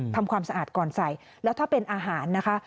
ทำความสะอาดก่อนใส่แล้วถ้าเป็นอาหารนะคะ